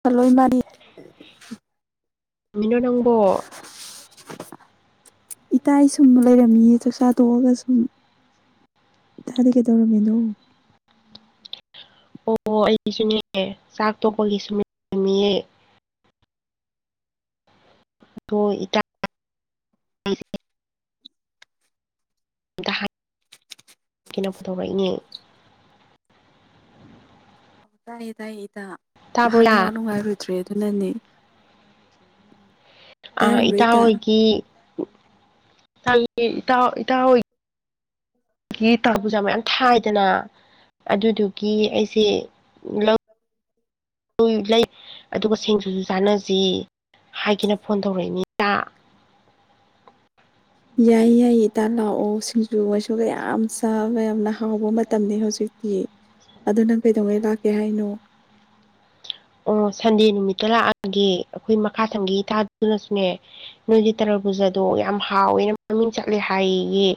ꯇꯂꯣꯏ ꯃꯥꯔꯤ ꯃꯤꯅꯣ ꯅꯪꯕꯣ ꯏꯇꯥ ꯁꯨꯝ ꯂꯩꯔꯝꯃꯤꯌꯦ ꯆꯥꯛꯆꯥꯊꯣꯛꯑꯒ ꯁꯨꯝ ꯏꯇꯥꯗꯤ ꯀꯩꯗꯧꯔꯝꯃꯤꯅꯣ ꯑꯣ ꯑꯩꯁꯨꯅꯦ ꯆꯥꯛ ꯇꯣꯛꯄꯒꯤ ꯁꯨꯝꯝ ꯂꯩꯔꯝꯃꯤꯌꯦ ꯏꯇꯥ [unintelligible] ꯄꯨꯊꯣꯔꯛꯏꯅꯦ ꯇꯥꯏꯌꯦ ꯇꯥꯏꯌꯦ ꯏꯇꯥ ꯇꯥꯕ꯭ꯔꯣ ꯍꯥꯏꯗꯤ ꯋꯥ ꯏꯇꯥ ꯅꯨꯡꯉꯥꯏꯔꯨꯗ꯭ꯔꯦ ꯑꯗꯨꯅꯅꯦ ꯑ ꯏꯇꯥ ꯍꯣꯏꯒꯤ [unintelligible] ꯒꯤ ꯇꯥ ꯄꯨꯖꯥ ꯃꯌꯥꯝ ꯊꯥꯏꯗꯅ ꯑꯗꯨꯗꯨꯒꯤ ꯑꯩꯁꯦ ꯂꯧ ꯂꯩ ꯑꯗꯨꯒ ꯁꯦꯡꯖꯨꯁꯨ ꯆꯥꯅꯁꯤ ꯍꯥꯏꯒꯦꯅ ꯐꯣꯟ ꯇꯧꯔꯛꯏꯅꯤ ꯏꯇꯥ ꯌꯥꯏ ꯌꯥꯏ ꯏꯇꯥꯥꯟ ꯂꯥꯛꯑꯣ ꯁꯤꯡꯖꯨ ꯉꯥꯏꯁꯨꯒ ꯌꯥꯝ ꯆꯕ ꯌꯥꯝꯅ ꯍꯥꯎꯕ ꯃꯇꯝꯅꯤ ꯍꯧꯖꯤꯛꯇꯤ ꯑꯗꯨ ꯅꯪ ꯀꯩꯗꯧꯉꯩ ꯂꯥꯛꯀꯦ ꯍꯥꯏꯅꯣ ꯑꯣ ꯁꯟꯗꯦ ꯅꯨꯃꯤꯠꯇ ꯂꯥꯛꯑꯒꯦ ꯑꯩꯈꯣꯏ ꯃꯈꯥ ꯁꯝꯒꯤ ꯏꯇꯥꯗꯨꯅꯁꯨꯅꯦ ꯅꯣꯏꯒꯤ ꯇꯔꯕꯨꯖꯥꯗꯣ ꯌꯥꯝ ꯍꯥꯎꯋꯦꯅ ꯃꯃꯤꯡ ꯆꯠꯂꯦ ꯍꯥꯏꯌꯦ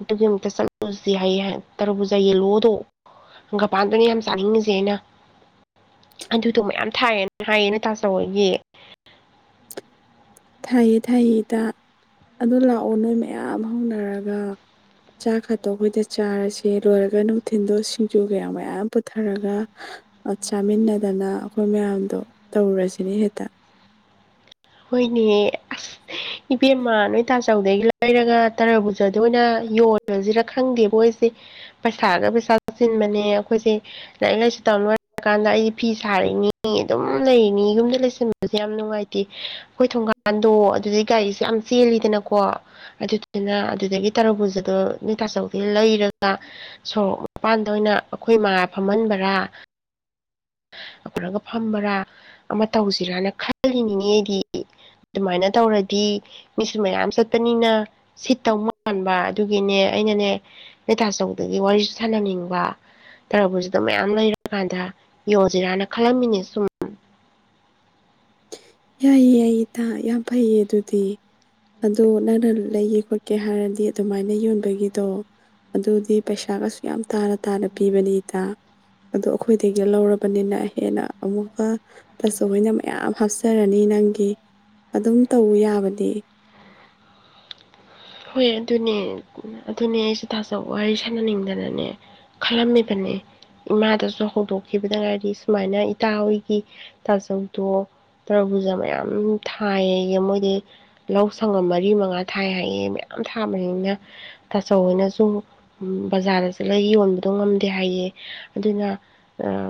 ꯑꯗꯨꯒꯤ ꯑꯃꯨꯛꯇ ꯆꯠꯂꯨꯁꯤ ꯍꯥꯏꯌꯦ ꯇꯔꯕꯨꯖꯥ ꯌꯦꯜꯂꯣꯗꯣꯪ ꯍꯪꯒꯄꯥꯟꯗꯨꯅꯦ ꯌꯥꯝ ꯆꯥꯅꯤꯡꯉꯤꯁꯦ ꯑꯩꯅ ꯑꯗꯨꯗꯣ ꯃꯌꯥꯝ ꯊꯥꯏꯌꯦꯅ ꯍꯥꯏꯌꯦꯅ ꯅꯣꯏ ꯇꯥꯆꯧꯍꯣꯏꯒꯤ ꯊꯥꯏꯌꯦ ꯊꯥꯏꯌꯦ ꯏꯇꯥ ꯑꯗꯨ ꯂꯥꯛꯑꯣ ꯅꯣꯏ ꯃꯌꯥꯝ ꯍꯧꯅꯔꯒ ꯆꯥꯛ ꯈꯛꯇꯣ ꯑꯩꯈꯣꯏꯗ ꯆꯥꯔꯁ ꯂꯣꯏꯔꯒ ꯅꯨꯡꯊꯤꯟꯜꯗꯣ ꯁꯤꯡꯖꯨ ꯀꯌꯥ ꯃꯌꯥꯝ ꯄꯨꯊꯔꯒ ꯆꯥꯃꯤꯟꯅꯗꯅ ꯑꯩꯈꯣꯏ ꯃꯌꯥꯝꯗꯣ ꯇꯧꯔꯁꯤꯅꯦ ꯍꯦꯛꯇ ꯍꯣꯏꯅꯦ ꯏꯕꯦꯝꯃꯥ ꯅꯣꯏ ꯇꯥꯆꯧꯗꯒꯤ ꯂꯩꯔꯒ ꯇꯔꯥꯕꯨꯖꯗ ꯑꯣꯏꯅ ꯌꯣꯜꯂꯁꯤꯔ ꯈꯪꯗꯦꯕ ꯑꯩꯈꯣꯏꯁꯦ ꯄꯩꯁꯥꯒ ꯄꯩꯁꯥ ꯆꯤꯟꯕꯅꯦ ꯑꯩꯈꯣꯏꯁꯦ ꯂꯥꯏꯔꯤꯛ ꯂꯥꯏꯁꯨ ꯇꯝꯕ ꯂꯣꯏꯔꯀꯥꯟꯗ ꯑꯩꯗꯤ ꯐꯤ ꯁꯥꯔꯤꯅꯤ ꯑꯗꯨꯝ ꯂꯩꯔꯤꯅꯤ ꯌꯨꯝꯗ ꯂꯩꯁꯤꯟꯕꯁꯦ ꯌꯥꯝ ꯅꯨꯡꯉꯥꯏꯇꯦ ꯍꯣꯏ ꯊꯣꯡꯒꯥ ꯄꯥꯟꯗꯣ ꯑꯗꯨꯩ ꯒꯥꯔꯤꯁꯦ ꯌꯥꯝ ꯆꯦꯜꯂꯤꯗꯅꯀꯣ ꯑꯗꯨ ꯑꯗꯨꯗꯒꯤ ꯇꯔꯣꯕꯨꯖꯗꯣ ꯅꯣꯏ ꯇꯥꯆꯧꯗ ꯂꯩꯔꯒ ꯁꯣꯔꯣꯛ ꯃꯄꯥꯟꯗ ꯑꯣꯏꯅ ꯑꯩꯈꯣꯏ ꯏꯃꯥ ꯐꯝꯍꯟꯕꯔꯥ [unintelligible] ꯐꯝꯕꯔꯥ ꯑꯃ ꯇꯧꯁꯤꯔꯅ ꯈꯜꯂꯤꯅꯤꯅꯦ ꯑꯩꯗꯤ ꯑꯗꯨꯃꯥꯏꯅ ꯇꯧꯔꯗꯤ ꯃꯤꯁꯨ ꯃꯌꯥꯝ ꯆꯠꯄꯅꯤꯅ ꯁꯤꯠꯇꯧ ꯃꯥꯟꯕ ꯑꯗꯨꯒꯤꯅꯦ ꯑꯩꯅꯅꯦ ꯅꯣꯏ ꯇꯥꯆꯧꯗꯒꯤ ꯋꯥꯔꯤꯁꯨ ꯁꯥꯟꯅꯅꯤꯡꯕ ꯇꯔꯕꯨꯖꯗꯣ ꯃꯌꯥꯝ ꯂꯩꯔꯀꯥꯟꯗ ꯌꯣꯖꯤꯔꯥꯅ ꯈꯜꯂꯝꯃꯤꯅꯦ ꯁꯨꯝ ꯌꯥꯏꯌꯦ ꯏꯇꯥ ꯌꯥꯝ ꯐꯩꯌꯦ ꯑꯗꯨꯗꯤ ꯑꯗꯣ ꯅꯪꯅ ꯂꯩꯒꯦ ꯈꯣꯠꯀꯦ ꯍꯥꯏꯔꯗꯤ ꯑꯗꯨꯃꯥꯏꯅ ꯌꯣꯟꯕꯒꯤꯗꯣ ꯑꯗꯨꯗꯤ ꯄꯩꯁꯥꯒꯁꯨ ꯌꯥꯝ ꯇꯥꯅ ꯇꯥꯅ ꯄꯤꯕꯅꯤ ꯏꯇꯥ ꯑꯗꯣ ꯑꯩꯈꯣꯏꯗꯒꯤ ꯂꯧꯔꯕꯅꯤꯅ ꯍꯦꯟꯅ ꯑꯃꯨꯛꯀ ꯇꯥꯆꯧ ꯍꯣꯏꯅ ꯃꯌꯥꯝ ꯍꯥꯞꯆ ꯆꯔꯅꯤ ꯅꯪꯒꯤ ꯑꯗꯨꯝ ꯇꯧ ꯌꯥꯕꯗꯤ ꯍꯣꯏ ꯑꯗꯨꯅꯦ ꯑꯗꯨꯅꯦ ꯑꯩꯁꯦ ꯇꯥꯖꯧ ꯋꯥꯔꯤ ꯁꯥꯟꯅꯅꯤꯡꯗꯅꯅꯦ ꯈꯜꯂꯝꯃꯤꯕꯅꯦ ꯏꯃꯥꯗꯁꯨ ꯍꯧꯗꯣꯛꯈꯤꯕꯗ ꯉꯥꯏꯗꯤ ꯁꯨꯃꯥꯏꯅ ꯏꯇꯥ ꯍꯣꯏꯒꯤ ꯇꯥꯖꯧꯗꯣ ꯇꯔꯕꯨꯖ ꯃꯌꯥꯝ ꯊꯥꯏꯌꯦꯌꯦ ꯃꯣꯏꯗꯤ ꯂꯧ ꯁꯪꯒꯝ ꯃꯔꯤ ꯃꯉꯥ ꯊꯥꯏ ꯍꯥꯏꯌꯦꯅ ꯃꯌꯥꯝ ꯊꯥꯕꯅꯤꯅ ꯇꯥꯆꯧꯍꯣꯏꯅ ꯁꯨꯝ ꯕꯖꯥꯔꯗ ꯆꯠꯂ ꯌꯣꯟꯕꯗꯣ ꯉꯝꯗꯦ ꯍꯥꯏꯑꯦ ꯑꯗꯨꯅ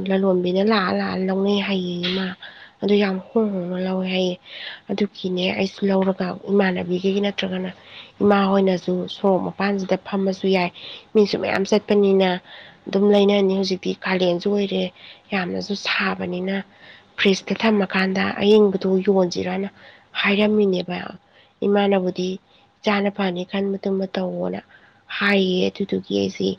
ꯂꯂꯣꯟꯕꯤꯅ ꯂꯥꯛꯑ ꯂꯥꯛꯑ ꯂꯧꯅꯩ ꯍꯥꯏꯌꯦ ꯏꯃꯥ ꯑꯗꯨ ꯌꯥꯝ ꯍꯣꯡ ꯍꯣꯡꯅ ꯂꯧꯋꯦ ꯍꯥꯏꯌꯦ ꯑꯗꯨꯒꯤꯅꯦ ꯑꯩꯁꯨ ꯂꯧꯔꯒ ꯏꯃꯥꯟꯅꯕꯤꯈꯩꯒꯤ ꯅꯠꯇ꯭ꯔꯒꯅ ꯏꯃꯥ ꯍꯣꯏꯅꯁꯨ ꯁꯣꯔꯣꯛ ꯃꯄꯥꯟꯁꯤꯗ ꯐꯝꯃꯁꯨ ꯌꯥꯏ ꯃꯤꯁꯨ ꯃꯌꯥꯝ ꯆꯠꯄꯅꯤꯅ ꯑꯗꯨꯝ ꯂꯩꯅꯅꯤ ꯍꯧꯖꯤꯛꯇꯤ ꯀꯥꯂꯦꯟꯁꯨ ꯑꯣꯏꯔꯦ ꯌꯥꯝꯅꯁꯨ ꯁꯥꯕꯅꯤꯅ ꯐ꯭ꯔꯤꯖꯇ ꯊꯝꯃꯀꯥꯟꯗ ꯑꯌꯤꯡꯕꯗꯨ ꯌꯣꯟꯁꯤꯔꯅ ꯍꯥꯏꯔꯝꯃꯤꯅꯦꯕ ꯏꯃꯥꯅꯕꯨꯗꯤ ꯢꯆꯥꯅ ꯐꯅꯤ ꯈꯟꯕ ꯃꯇꯝꯃ ꯇꯧꯋꯣꯅ ꯍꯥꯏꯌꯦ ꯑꯗꯨꯗꯨꯒꯤ ꯑꯩꯁꯤ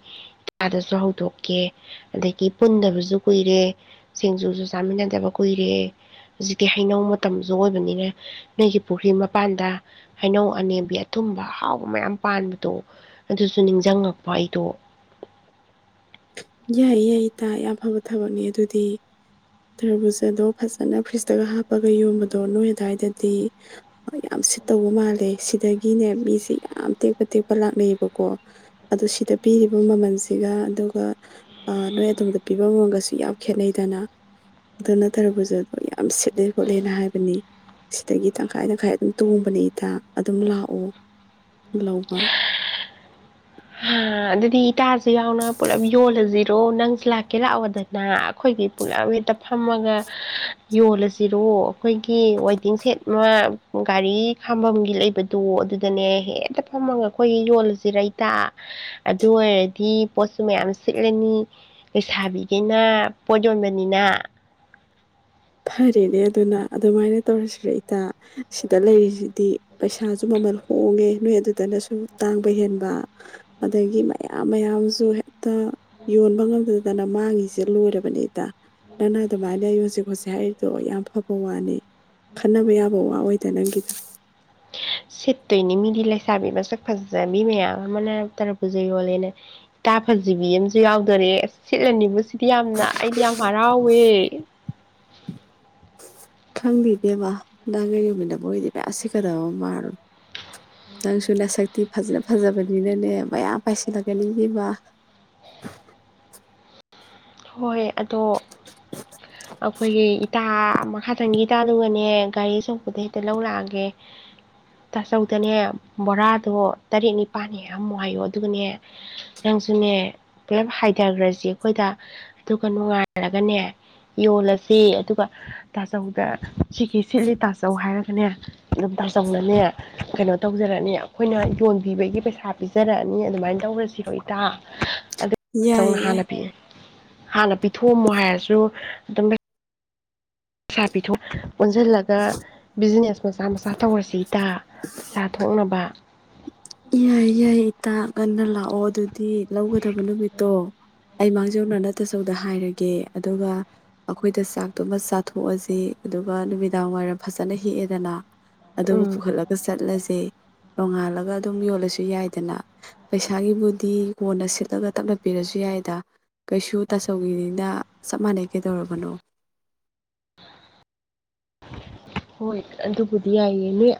ꯏꯥꯗꯁꯨ ꯍꯧꯗꯣꯛꯀꯦ ꯑꯗꯒꯤ ꯄꯨꯟꯗꯕꯁꯨ ꯀꯨꯏꯔꯦ ꯁꯤꯡꯖꯨꯁꯨ ꯆꯥꯃꯤꯟꯅꯗꯕ ꯀꯨꯏꯔꯦ ꯍꯧꯖꯤꯛꯇꯤ ꯍꯩꯅꯧ ꯃꯇꯝꯁꯨ ꯑꯣꯏꯕꯅꯤꯅ ꯅꯣꯏꯒꯤ ꯄꯨꯈ꯭ꯔꯤ ꯃꯄꯥꯟꯗ ꯍꯩꯅꯧ ꯑꯅꯦꯝꯕꯤ ꯑꯊꯨꯝꯕ ꯍꯥꯎꯕ ꯃꯌꯥꯝ ꯄꯥꯟꯕꯗꯣ ꯑꯗꯨꯁꯨ ꯅꯤꯡꯁꯤꯡꯉꯛꯄ ꯑꯩꯗꯣ ꯌꯥꯏ ꯌꯥꯏ ꯏꯇꯥ ꯌꯥꯝꯐꯕ ꯊꯕꯛꯅꯤ ꯑꯗꯨꯗꯤ ꯇꯔꯕꯨꯖꯥꯗꯣ ꯐꯖꯅ ꯐ꯭ꯔꯤꯖꯇꯒ ꯍꯥꯞꯄꯒ ꯌꯣꯟꯕꯗꯣ ꯅꯣꯏ ꯑꯗꯨꯋꯥꯏꯗꯗꯤ ꯌꯥꯝ ꯁꯤꯠꯇꯧꯕ ꯃꯥꯜꯂꯦ ꯁꯤꯗꯒꯤꯅꯦ ꯃꯤꯁꯦ ꯌꯥꯝ ꯇꯦꯛꯄ ꯇꯦꯛꯄ ꯂꯥꯛꯅꯩꯌꯦꯕꯀꯣ ꯑꯗꯨ ꯁꯤꯗ ꯄꯤꯔꯤꯕ ꯃꯃꯜꯁꯤꯒ ꯑꯗꯨꯒ ꯅꯣꯏ ꯑꯗꯣꯝꯗ ꯄꯤꯕ ꯃꯃꯜꯒꯁꯨ ꯌꯥꯝ ꯈꯦꯠꯅꯩꯗꯅ ꯑꯗꯨꯇ ꯇꯔꯕꯨꯖꯗꯣ ꯑꯗꯣ ꯌꯥꯝ ꯁꯤꯠꯂꯦ ꯈꯣꯠꯂꯦꯅ ꯍꯥꯏꯕꯅꯤ ꯁꯤꯗꯒꯤ ꯇꯪꯈꯥꯏ ꯇꯪꯈꯥꯏ ꯑꯗꯨꯝ ꯇꯣꯡꯕꯅꯦ ꯏꯇꯥ ꯑꯗꯨꯝ ꯂꯥꯛꯑꯣ ꯂꯧꯕ ꯑꯗꯨꯗꯤ ꯏꯇꯥ ꯌꯥꯎꯅ ꯄꯨꯂꯞ ꯌꯣꯜꯂꯁꯤꯔꯣ ꯅꯪ ꯂꯥꯛꯀꯦ ꯂꯥꯛꯑꯣꯗꯅ ꯑꯩꯈꯣꯏꯒꯤ ꯄꯨꯂꯞ ꯍꯦꯛꯇ ꯐꯝꯃꯒ ꯌꯣꯜꯂꯁꯤꯔꯣ ꯑꯩꯈꯣꯏꯒꯤ ꯋꯦꯇꯤꯡ ꯁꯦꯠ ꯑꯃ ꯒꯥꯔꯤ ꯈꯥꯝꯕꯝꯒꯤ ꯂꯩꯕꯗꯣ ꯑꯗꯨꯗꯅꯦ ꯍꯦꯛꯇ ꯐꯝꯃꯒ ꯑꯩꯈꯣꯏꯒꯤ ꯌꯣꯜꯂꯁꯤ ꯔ ꯏꯇꯥ ꯑꯗꯨ ꯑꯣꯏꯔꯗꯤ ꯄꯣꯠꯁꯨ ꯃꯌꯥꯝ ꯁꯤꯠꯂꯅꯤ ꯂꯩꯁꯥꯕꯤꯒꯩꯅ ꯄꯣꯠ ꯌꯣꯟꯕꯅꯤꯅ ꯐꯔꯦꯅꯦ ꯑꯗꯨꯅ ꯑꯗꯨꯃꯥꯏꯅ ꯇꯧꯔꯁꯤꯔ ꯏꯇꯥ ꯁꯤꯗ ꯂꯩꯔꯤꯁꯤꯗꯤ ꯄꯩꯁꯥꯁꯨ ꯃꯃꯜ ꯍꯣꯡꯉꯦ ꯅꯣꯏ ꯑꯗꯨꯗꯅꯁꯨ ꯇꯥꯡꯕ ꯍꯦꯟꯕ ꯑꯗꯒꯤ ꯃꯌꯥꯝ ꯃꯌꯥꯝꯁꯨ ꯍꯦꯛꯇ ꯌꯣꯟꯕ ꯉꯝꯗꯗꯅ ꯃꯥꯡꯉꯤꯁꯦ ꯂꯣꯏꯔꯕꯅꯦ ꯏꯇꯥ ꯅꯪꯅ ꯑꯗꯨꯃꯥꯏꯅ ꯌꯣꯟꯁꯤ ꯈꯣꯠ ꯉ ꯍꯥꯏꯔꯤꯗꯣ ꯌꯥꯝ ꯐꯕ ꯋꯥꯅꯤ ꯈꯟꯅꯕ ꯌꯥꯕ ꯋꯥ ꯑꯣꯏꯗ ꯅꯪꯒꯤꯗꯣ ꯁꯤꯠꯇꯣꯏꯅꯤ ꯃꯤꯗꯤ ꯂꯩꯁꯥꯕꯤ ꯃꯁꯛ ꯐꯖꯕꯤ ꯃꯌꯥ ꯑꯃ ꯇꯔꯕꯨꯖ ꯌꯣꯂꯦꯅ ꯏꯇꯥ ꯐꯖꯤꯕꯤ ꯑꯃꯁꯨ ꯌꯥꯎꯗꯣꯔꯦ ꯁꯤꯠꯂꯅꯤ ꯁꯤ ꯁꯤꯗꯤ ꯌꯥꯝꯅ ꯑꯩꯗꯤ ꯌꯥꯝ ꯍꯔꯥꯎꯋꯦ ꯈꯪꯗꯦꯕꯦꯕ ꯅꯪꯒ ꯌꯣꯟꯃꯤꯟꯅꯕ ꯑꯣꯏꯣꯏꯗꯤ ꯃꯌꯥꯝ ꯁꯤꯠꯀꯗꯕ ꯃꯥꯜꯔꯣ ꯅꯪꯁꯨ ꯂꯥꯏꯁꯛꯇꯤ ꯐꯖꯅ ꯐꯖꯕꯅꯤꯅꯅꯦ ꯃꯌꯥꯝ ꯄꯥꯏꯁꯤꯜꯂꯛꯀꯅꯤꯅꯦꯕ ꯍꯣꯏ ꯑꯗꯣ ꯑꯩꯈꯣꯏꯒꯤ ꯏꯇꯥ ꯃꯈꯥꯗꯪꯒꯤ ꯏꯇꯥꯗꯨꯒꯅꯦ ꯒꯥꯔꯤ ꯑꯆꯧꯕꯗ ꯍꯦꯛꯇ ꯂꯧ ꯂꯥꯛꯑꯒꯦ ꯆꯥꯆꯧꯗꯅꯦ ꯕꯣꯔꯥꯗꯣ ꯇꯔꯦꯠ ꯅꯤꯄꯥꯜꯅꯦ ꯌꯥꯝ ꯍꯥꯏꯌꯣ ꯑꯗꯨꯒꯅꯦ ꯅꯪꯁꯨꯅꯦ ꯄꯨꯂꯞ ꯍꯥꯏꯗꯈ꯭ꯔꯁꯤ ꯑꯩꯈꯣꯏꯗ ꯑꯗꯨꯒ ꯅꯨꯡꯉꯥꯏꯔꯒꯅꯦ ꯌꯣꯜꯂꯁꯤ ꯑꯗꯨꯒ ꯇꯥꯆꯧꯗ ꯁꯤꯒꯤ ꯁꯤꯠꯂꯤ ꯇꯥꯆꯧ ꯍꯥꯏꯔꯒꯅꯦ ꯑꯗꯨꯝ ꯇꯥꯆꯧꯅꯅꯦ ꯀꯩꯅꯣ ꯇꯧꯖꯔꯛꯑꯅꯤ ꯑꯩꯈꯣꯏꯅ ꯌꯣꯟꯕꯤꯕꯒꯤ ꯄꯩꯁꯥ ꯄꯤꯖꯔꯛꯑꯅꯤ ꯑꯗꯨꯃꯥꯏꯅ ꯇꯧꯔꯁꯤ ꯍꯣꯏꯇꯥ ꯑꯗꯨꯗꯧꯅ ꯌꯥꯏꯌꯦ ꯌꯥꯏ ꯍꯥꯟꯅ ꯄꯤꯛꯏ ꯍꯥꯟꯅ ꯄꯤꯊꯣꯛꯑꯝꯃꯣ ꯍꯥꯏꯔꯁꯨ ꯑꯗꯨꯝ ꯥ ꯄꯩꯁꯥ ꯄꯤꯊꯣꯛ ꯑꯣꯟꯁꯤꯜꯂꯒ ꯕꯤꯖꯤꯅꯦꯁ ꯃꯆꯥ ꯃꯆꯥ ꯇꯧꯔꯁꯦ ꯏꯇꯥ ꯄꯩꯁꯥ ꯊꯣꯛꯅꯕ ꯌꯥꯏ ꯌꯥꯏ ꯏꯇꯥ ꯉꯟꯅ ꯂꯥꯀꯑꯣ ꯑꯗꯨ ꯗꯤ ꯂꯧꯒꯗꯕ ꯅꯨꯃꯤꯠꯇꯣ ꯑꯩ ꯃꯥꯡꯖꯧꯅ ꯅꯠꯇꯁꯧꯗ ꯍꯥꯏꯔꯒꯦ ꯑꯗꯨꯒ ꯑꯩꯈꯣꯏꯗ ꯆꯥꯛꯇꯨꯃ ꯆꯥꯊꯣꯛꯑꯁꯤ ꯑꯗꯨꯒ ꯅꯨꯃꯤꯗꯥꯡ ꯋꯥꯏꯔꯝ ꯐꯖꯅ ꯍꯦꯛꯑꯦꯗꯅ ꯑꯗꯨꯒ ꯎꯝ ꯄꯨꯈꯠꯂꯒ ꯆꯠꯂꯁꯦ ꯅꯣꯡꯉꯥꯜꯂꯒ ꯑꯗꯨꯝ ꯌꯣꯜꯂꯁꯨ ꯌꯥꯏꯗꯅ ꯄꯩꯁꯥꯒꯤꯕꯨꯗꯤ ꯀꯣꯟꯅ ꯁꯤꯠꯂꯒ ꯇꯞꯅ ꯄꯤꯔꯁꯨ ꯌꯥꯏꯗ ꯀꯩꯁꯨ ꯇꯥꯆꯧꯒꯤꯅꯤꯅ ꯆꯞ ꯃꯥꯟꯅꯩ ꯀꯩꯗꯧꯔꯕꯅꯣ ꯍꯣꯏ ꯑꯗꯨꯕꯨꯗꯤ ꯌꯥꯏꯌꯦ ꯅꯣꯏ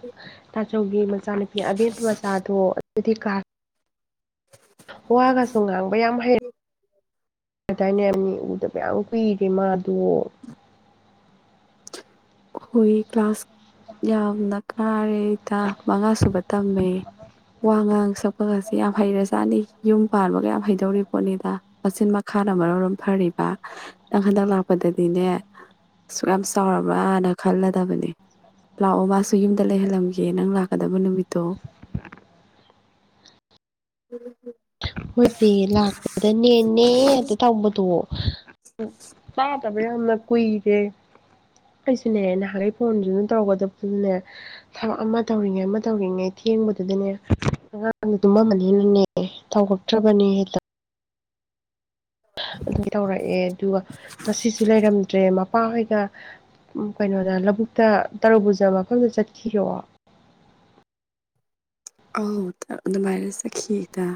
ꯇꯥꯆꯧꯒꯤ ꯃꯆꯥꯅꯨꯄꯤ ꯑꯕꯦꯝꯃ ꯃꯆꯥꯗꯣ ꯑꯗꯨꯗꯤ ꯀꯂ꯭ꯥꯁ ꯋꯥꯒꯁꯨ ꯉꯥꯡꯕ ꯌꯥꯝ ꯍꯩꯔ ꯀꯗꯥꯏꯅꯦ ꯑꯅꯤ ꯎꯗꯕ ꯌꯥꯝ ꯀꯨꯏꯔꯦ ꯃꯥꯗꯣ ꯍꯣꯏ ꯀ꯭ꯂꯥꯁ ꯌꯥꯝꯅ ꯀꯥꯔꯦꯗ ꯃꯉꯥꯁꯨꯨꯕ ꯇꯝꯃꯦ ꯋꯥ ꯉꯥꯡ ꯁꯛꯄꯒꯁꯦ ꯌꯥꯝ ꯍꯩꯔꯦꯖꯥꯠꯅꯤ ꯌꯨꯝ ꯄꯥꯟꯕꯒ ꯌꯥꯝ ꯍꯩꯗꯧꯔꯤ ꯄꯣꯠꯅꯤꯗ ꯃꯆꯤꯟ ꯃꯈꯥꯅ ꯃꯔꯣꯝ ꯐꯔꯤꯕ ꯅꯪ ꯍꯟꯗꯛ ꯂꯥꯛꯄꯗꯗꯤꯅꯦ ꯑꯁꯨꯛ ꯌꯥꯝ ꯆꯥꯎꯔꯕ ꯈꯜꯂꯗꯕꯅꯦ ꯂꯥꯛꯑꯣ ꯃꯥꯁꯨ ꯌꯨꯝꯗ ꯂꯩꯍꯜꯂꯝꯒꯦ ꯅꯪ ꯂꯥꯛꯀꯗꯕ ꯅꯨꯃꯤꯠꯇꯣ ꯍꯣꯏꯆꯦ ꯂꯥꯛꯄꯗ ꯅꯦꯅꯦ ꯍꯦꯛꯇ ꯇꯧꯕꯗꯣ ꯇꯥꯗꯕ ꯌꯥꯝꯅ ꯀꯨꯏ ꯑꯦ ꯑꯩꯁꯨꯅꯦ ꯅꯍꯥꯟꯈꯩ ꯐꯣꯟꯗꯨꯅ ꯇꯧꯔꯛꯒꯗꯕꯗꯨꯅꯦ ꯊꯕꯛ ꯑꯃ ꯇꯧꯔꯤꯉꯩ ꯑꯃ ꯇꯧꯔꯤꯉꯩ ꯊꯦꯡꯕꯗꯨꯗꯅꯦ ꯑꯉꯥꯡꯗꯣ ꯇꯨꯝꯃꯝꯃꯅꯤꯅꯅꯦ ꯇꯧ ꯇ꯭ꯔꯕꯅꯤ ꯍꯦꯇ ꯑꯗꯨ ꯇꯧꯔꯛꯑꯦ ꯑꯗꯨꯒ ꯉꯁꯤꯁꯨ ꯂꯩꯔꯝꯗ꯭ꯔꯦ ꯃꯄꯥ ꯍꯣꯏꯒ ꯀꯩꯅꯣꯗ ꯂꯧꯕꯨꯛꯇ ꯇꯔꯨꯕꯨꯔꯖ ꯂꯧꯈꯕ ꯆꯠꯈ꯭ꯔꯤꯔꯣ ꯑꯧ ꯑꯗꯨꯃꯥꯏꯅ ꯆꯠꯈꯤ ꯏꯇꯥ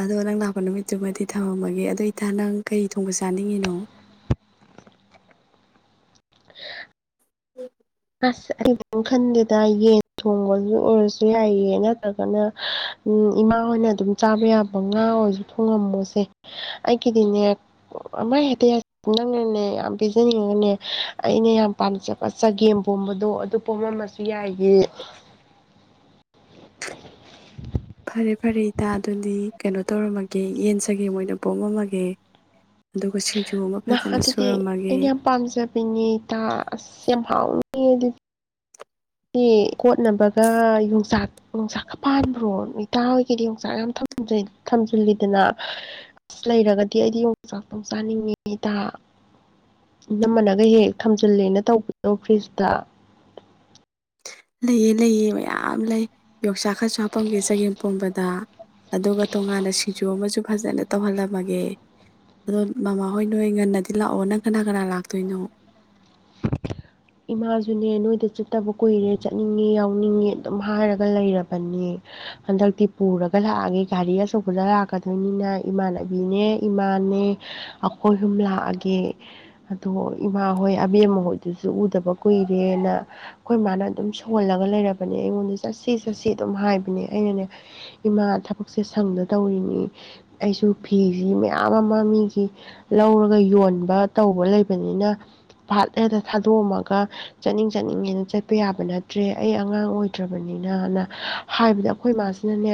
ꯑꯗꯣ ꯅꯪ ꯂꯥꯛꯄ ꯅꯨꯃꯤꯠꯇꯨꯃꯗꯤ ꯊꯝꯃꯝꯃꯒꯦ ꯑꯗꯣ ꯏꯇꯥ ꯅꯪ ꯀꯩ ꯊꯣꯡꯕ ꯆꯥꯅꯤꯡꯉꯤꯅꯣ ꯎꯝ ꯑꯁ ꯑꯩꯪ ꯀꯦꯝ ꯈꯟꯗꯦꯗ ꯌꯦꯟ ꯊꯣꯡꯕꯁꯨ ꯑꯣꯏꯔꯁꯨ ꯌꯥꯏꯌꯦ ꯅꯠꯇ꯭ꯔꯒꯅ ꯏꯃꯥ ꯍꯣꯏꯅ ꯑꯗꯨꯝ ꯆꯥꯕ ꯌꯥꯕ ꯉꯥ ꯑꯣꯏꯔꯁꯨ ꯊꯣꯡꯉꯝꯃꯣꯁꯦ ꯑꯩꯒꯤꯗꯤꯅꯦ ꯑꯃꯥ ꯍꯦꯛꯇꯦ ꯅꯪꯅꯅꯦ ꯌꯥꯝ ꯄꯤꯖꯅꯤꯡꯉꯒꯅꯦ ꯑꯩꯅ ꯌꯥꯝ ꯄꯥꯝꯅꯖꯕ ꯆꯒꯦꯝ ꯄꯣꯝꯕꯗꯣ ꯑꯗꯨ ꯄꯣꯝꯃꯝꯃꯁꯨ ꯌꯥꯏꯌꯦ ꯐꯔꯦ ꯐꯔꯦ ꯏꯇꯥ ꯑꯗꯨꯗꯤ ꯀꯩꯅꯣ ꯇꯧꯔꯝꯃꯒꯦ ꯌꯦꯟ ꯆꯒꯦꯝ ꯑꯣꯏꯅ ꯄꯣꯝꯃꯝꯃꯒꯦ ꯑꯗꯨꯒ ꯁꯤꯡꯖꯨ ꯑꯃ ꯅꯍ ꯐꯖꯅ ꯑꯗꯨꯗꯤ ꯑꯩꯅ ꯁꯨꯔꯝꯃꯒꯦ ꯌꯥꯝ ꯄꯥꯝꯖꯕꯅꯦ ꯏꯇꯥ ꯑꯁ ꯌꯥꯝ ꯍꯥꯎꯅꯤ ꯑꯗꯨ ꯀꯣꯠꯅꯕꯒ ꯌꯣꯡꯆꯥꯛ ꯌꯣꯡꯆꯥꯛꯀ ꯄꯥꯟꯕ꯭ꯔꯣ ꯏꯇꯥ ꯍꯣꯏꯒꯤꯗꯤ ꯌꯣꯡꯆꯥꯛ ꯌꯥꯝ ꯊꯝꯖꯤꯜꯂꯤꯗꯅ ꯑꯁ ꯂꯩꯔꯒꯗꯤ ꯑꯩꯗꯤ ꯌꯣꯡꯆꯥꯛꯇꯨꯝ ꯆꯥꯅꯤꯡꯉꯤ ꯏꯇꯥ ꯏꯅꯝꯃꯅꯒ ꯍꯦꯛ ꯊꯝꯖꯤꯜꯂꯦꯅ ꯇꯧꯕꯗꯣ ꯐ꯭ꯔꯤꯖꯇ ꯂꯩꯌꯦ ꯂꯩꯌꯦ ꯃꯌꯥꯝ ꯂꯩ ꯌꯣꯡꯆꯥꯛ ꯈꯔꯁꯨ ꯍꯥꯞꯄꯝꯒꯦ ꯆꯥꯒꯦꯝ ꯄꯣꯝꯕꯗ ꯑꯗꯨꯒ ꯇꯣꯉꯥꯟꯅ ꯁꯤꯡꯖꯨ ꯑꯃꯁꯨ ꯐꯖꯅ ꯇꯧꯍꯜꯂꯝꯃꯒꯦ ꯑꯗꯣ ꯃꯃꯥꯍꯣꯏ ꯅꯣꯏ ꯉꯟꯅꯗꯤ ꯂꯥꯛꯑꯣ ꯅꯪ ꯀꯅꯥ ꯀꯅꯥ ꯂꯥꯛꯇꯣꯏꯅꯣ ꯏꯃꯥꯖꯨꯅꯦ ꯅꯣꯏꯗ ꯆꯠꯇꯕ ꯀꯨꯏꯔꯦ ꯆꯠꯅꯤꯡꯉꯦ ꯌꯥꯎꯅꯤꯡꯉꯦ ꯑꯗꯨꯝ ꯍꯥꯏꯔꯒ ꯂꯩꯔꯕꯅꯦ ꯍꯟꯗꯛꯇꯤ ꯄꯨꯔꯒ ꯂꯥꯛꯑꯒꯦ ꯒꯥꯔꯤ ꯑꯆꯧꯕꯗ ꯂꯥꯛꯀꯗꯣꯏꯅꯤꯅ ꯏꯃꯥꯟꯅꯕꯤꯅꯦ ꯏꯃꯥꯅꯦ ꯑꯩꯈꯣꯏꯍꯨꯝ ꯂꯥꯛꯑꯒꯦ ꯑꯗꯣ ꯏꯃꯥ ꯍꯣꯏ ꯑꯕꯦꯝꯃ ꯍꯣꯏꯗꯨꯁꯨ ꯎꯗꯕ ꯀꯨꯏꯔꯦꯅ ꯑꯩꯈꯣꯏ ꯏ ꯃꯥꯅ ꯑꯗꯨꯝ ꯁꯣꯜꯂꯒ ꯂꯩꯔꯕꯅꯦ ꯑꯩꯉꯣꯟꯗ ꯆꯠꯁꯤ ꯆꯠꯁꯤ ꯑꯗꯨꯝ ꯍꯥꯏꯕꯅꯦ ꯑꯩꯅꯅꯦ ꯏꯃꯥ ꯊꯕꯛꯁꯦ ꯁꯪꯗ ꯇꯧꯔꯤꯅꯤ ꯑꯩꯁꯨ ꯐꯤꯁꯤ ꯃꯌꯥꯝ ꯑꯃ ꯃꯤꯒꯤ ꯂꯧꯔꯒ ꯌꯣꯟꯕ ꯇꯧꯕ ꯂꯩꯕꯅꯤꯅ ꯕꯥꯠ ꯍꯦꯛꯇ ꯊꯥꯗꯣꯛꯑꯝꯃꯒ ꯆꯠꯅꯤꯡ ꯆꯠꯅꯤꯡꯉꯦꯅ ꯆꯠꯄ ꯌꯥꯕ ꯅꯠꯇ꯭ꯔꯦ ꯑꯩ ꯑꯉꯥꯡ ꯑꯣꯏꯗ꯭ꯔꯕꯅꯤꯅꯅ ꯍꯥꯏꯕꯗ ꯑꯩꯈꯣꯏ ꯏꯃꯥꯁꯤꯅꯅꯦ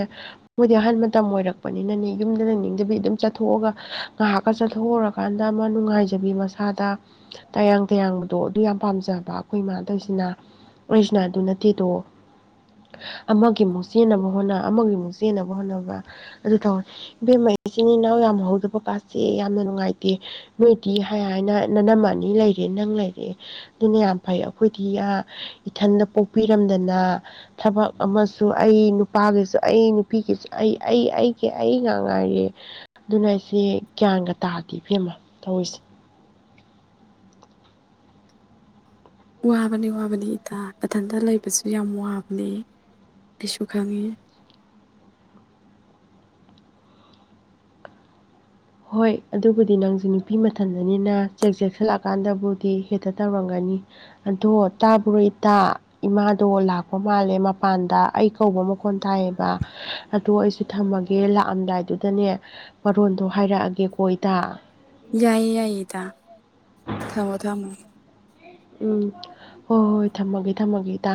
ꯃꯣꯏꯗꯤ ꯑꯍꯟ ꯃꯇꯝ ꯑꯣꯏꯔꯛꯄꯅꯤꯅꯅꯦ ꯌꯨꯝꯗ ꯂꯩꯅꯤꯡꯗꯕꯤ ꯑꯗꯨꯝ ꯆꯠꯊꯣꯛꯑꯒ ꯉꯥꯏꯍꯥꯛꯀ ꯆꯠꯊꯣꯛꯎꯔꯀꯥꯟꯗ ꯑꯃ ꯅꯨꯡꯉꯥꯏꯖꯕꯤ ꯃꯁꯥꯗ ꯇꯌꯥꯡ ꯇꯌꯥꯡꯕꯗꯣ ꯑꯗꯨ ꯌꯥꯝ ꯄꯥꯝꯖꯕ ꯑꯩꯈꯣꯏ ꯏꯃꯥꯇꯧꯏꯁꯤꯅ ꯑꯩꯁꯤꯅ ꯑꯗꯨ ꯅꯠꯇꯦꯗꯣ ꯑꯃꯒꯤꯃꯨꯛ ꯆꯦꯟꯅꯕ ꯍꯣꯠꯅ ꯑꯃꯒꯤꯃꯨꯛ ꯆꯦꯟꯅꯕ ꯍꯣꯠꯅꯕ ꯑꯗꯨ ꯇꯧꯋꯦ ꯏꯕꯦꯝꯃꯩ ꯏꯆꯤꯟ ꯏꯅꯥꯎ ꯌꯥꯝ ꯍꯧꯗꯕ ꯀꯥꯥꯁꯦ ꯌꯥꯝꯅ ꯅꯨꯡꯉꯥꯏꯇꯦ ꯅꯣꯏꯗꯤ ꯍꯥꯏ ꯍꯥꯏꯅ ꯅꯥꯅꯝꯃ ꯑꯅꯤ ꯂꯩꯔꯦ ꯅꯪ ꯂꯩꯔꯦ ꯑꯗꯨꯅ ꯌꯥꯝ ꯐꯩ ꯑꯩꯈꯣꯏꯗꯤ ꯑ ꯏꯊꯟꯗ ꯄꯣꯛꯄꯤꯔꯝꯗꯅ ꯊꯕꯛ ꯑꯃꯁꯨ ꯑꯩ ꯅꯨꯄꯥꯒꯤꯁꯨ ꯑꯩ ꯅꯨꯄꯤꯒꯤꯁꯨ ꯑꯩ ꯑꯩ ꯑꯩꯒꯤ ꯑꯩ ꯉꯥꯛ ꯉꯥꯏꯔꯦ ꯑꯗꯨꯅ ꯑꯩꯁꯦ ꯒ꯭ꯌꯥꯟꯒ ꯇꯥꯗꯦ ꯐꯤꯕꯦꯝꯃ ꯇꯧꯔꯤꯁꯦ ꯋꯥꯕꯅꯤ ꯋꯥꯕꯅꯤ ꯏꯇꯥ ꯏꯊꯟꯇ ꯂꯩꯕꯁꯨ ꯌꯥꯝ ꯋꯥꯕꯅꯤ ꯑꯩꯁꯨ ꯈꯪꯉꯤ ꯍꯣꯏ ꯑꯗꯨꯕꯨꯗꯤ ꯅꯪꯖꯨ ꯅꯨꯄꯤ ꯃꯊꯟꯗꯅꯤꯅ ꯆꯦꯛ ꯆꯦꯛꯁꯤꯜꯂꯛꯑꯀꯥꯟꯗꯕꯨꯗꯤ ꯍꯦꯛꯇ ꯇꯧꯔꯝꯒꯅꯤ ꯑꯗꯣ ꯇꯥꯕ꯭ꯔꯣ ꯏꯇꯥ ꯏꯃꯥꯗꯣ ꯂꯥꯛꯄ ꯃꯥꯜꯂꯦ ꯃꯄꯥꯟꯗ ꯑꯩ ꯀꯧꯕ ꯃꯈꯣꯟ ꯇꯥꯏꯌꯦꯕ ꯑꯗꯣ ꯑꯩꯁꯨ ꯊꯝꯃꯒꯦ ꯂꯥꯛꯑꯝꯗꯥꯏꯗꯨꯗꯅꯦ ꯃꯔꯣꯟꯗꯣ ꯍꯥꯏꯔꯛꯑꯒꯦꯀꯣ ꯏꯇꯥ ꯌꯥꯏꯌꯦ ꯌꯥꯏꯌꯦ ꯏꯇꯥ ꯊꯃꯣ ꯊꯃꯣ ꯎꯝ ꯍꯣꯏ ꯍꯣꯏ ꯊꯝꯃꯒꯦ ꯊꯝꯃꯒꯦ ꯏꯇꯥ